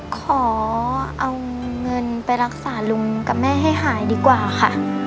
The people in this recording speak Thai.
ขอเอาเงินไปรักษาลุงกับแม่ให้หายดีกว่าค่ะ